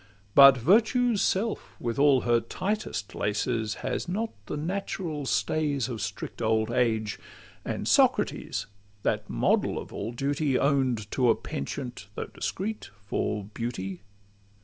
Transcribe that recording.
But Virtue's self, with all her tightest laces, Has not the natural stays of strict old age; And Socrates, that model of all duty, Own'd to a penchant, though discreet, for beauty.